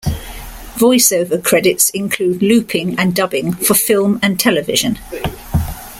Voice-over credits include looping and dubbing for film and television.